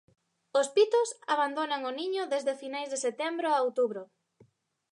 Os pitos abandonan o niño desde finais de setembro a outubro.